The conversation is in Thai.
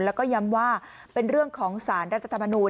แล้วก็ย้ำว่าเป็นเรื่องของสารรัฐธรรมนูล